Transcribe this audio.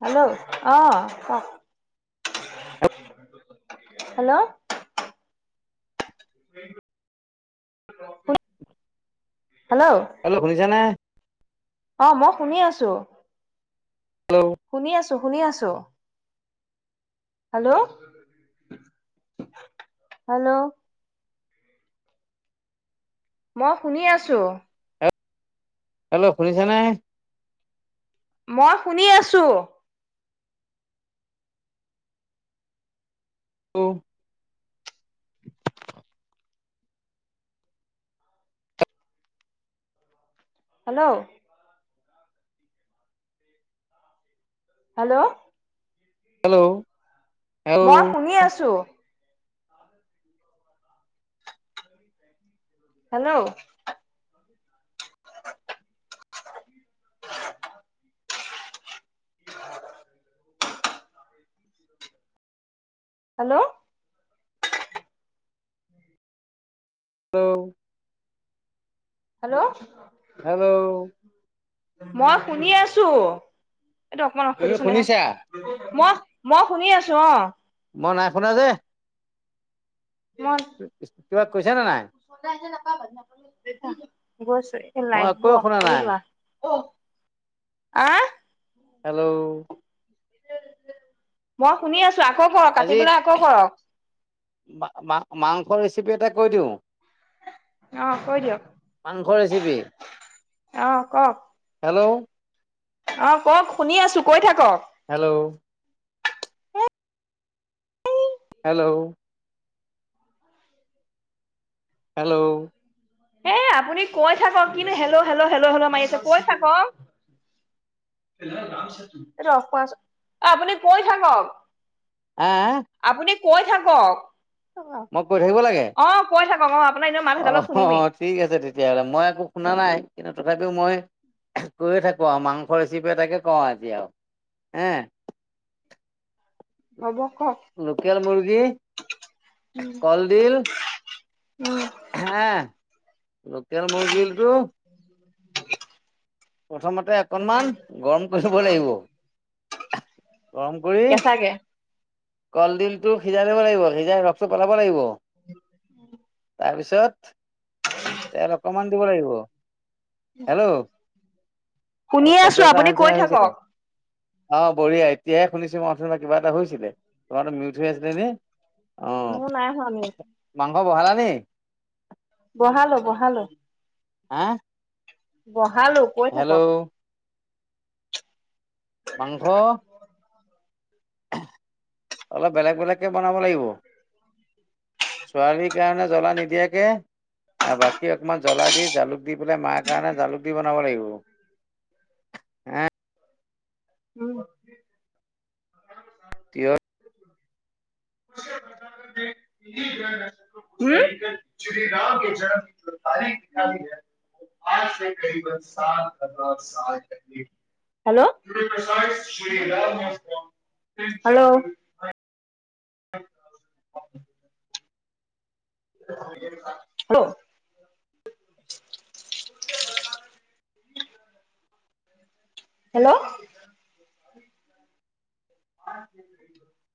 Hello? অ' কক? Hello? Hello? Hello শুনিছানে? অ' মই শুনি আছো। হেল্ল'? শুনি আছো, শুনি আছো। হেল্ল'? হেল্ল'? মই শুনি আছো। হেল্ল' শুনিছা নে? মই শুনি আছো। ল্ল'? হেল্ল'? হেল্ল'? হেল্ল' মই হেল্ল' শুনি আছো। Hello? [unintelligible] Hello? Hello? Hello? Hello? মই শুনি আছো। এইটো অকমান অফ কৰি তুমি দেছোন দেহা। শুনিছা? মই, মই শুনি আছো অ'। মই নাই শুনা যে? মই কিবা কৈ শুনিচানে নাই? [unintelligible] গৈছো এ মই লাইট একোৱে বোৰ অফ শুনা কৰি নাই। লোৱা। অ', আহ'? হেল্ল'। মই শুনি আছো, আকৌ কৰক কাটি পেলাই আকৌ কৰক। মা মা মাংস ৰেচিপি এটা কৈ দিওঁ? অহ', কৈ দিয়ক, মাংস ৰেচিপি। অহ', কওক। হেল্ল'। অ', কওক, শুনি আছো, কৈ থাকক। হেল্ল'। হেল্ল'। হেল্ল'। এ আপুনি কৈ থাকক, কিনো হেল্ল', হেল্ল', হেল্লো', হেল্ল, মাৰি আছে, কৈ থাকক। [unintelligible] এতো অফ কৰাচোন, অ', আপুনি কৈ থাকক। আ? আপুনি কৈ থাকক। মই কৈ থাকিব লাগে? অ', কৈ থাকক অ', আপোনাৰ এনেও মাত সেইডালত শুনিমেই। অ' ঠিক আছে তেতিয়াহ'লে, মই একো শুনা নাই, কিন্তু তথাপিও মই কৈয়ে থাকো আৰু, মাংস ৰেচিপে এতাকে কওঁ এতিয়াও, এ। হ'ব কওক। লোকেল মুৰ্গী, কলডিল উম। হা, লোকেল মুৰ্গিলটো [inaudible] প্ৰথমতে অকনমান গৰম কৰি লব লাগিব। গৰম কৰি কেঁচাকে কলডিলটো সিজাই থাকিব লাগিব, সিজ সিজাই ৰসটো পেলাব লাগিব, তাৰপিছত তেল অকমান দিব লাগিব, হেল্ল'। আৰু শুনিয়ে আছো শব্দ এটা আপুনি অহা কৈ নিচিনা থাকক হৈছিলে। অ', বঢ়িয়া, এতিয়াহে শুনিছো, মই অথনিয়ৰ পৰা কিবা এটা হৈছিলে, তোমাৰতো মিউট হৈ আছিলে নি? অ মোৰ নাই হোৱা মাংস বহালা মিউত, নি বহালো বহালো। হা বহালো। কৈ থাকক হেল্ল'? মাংস অলপ বেলেগ বেলেগকৈ বনাব লাগিব। ছোৱালীৰ কাৰণে জ্বলা নিদিয়াকে আৰু বাকী অকমান জ্বলা দি জালুক দি পেলাই মাৰ কাৰণে জালুক দি বনাব লাগিব। হে উম। তিয়হ উম? [unintelligible] [unintelligible] হেল্ল'? হেল্ল'? [unintelligible] Hello hello [unintelligible]